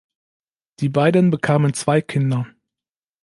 Die beiden bekamen zwei Kinder.